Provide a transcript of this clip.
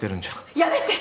やめて！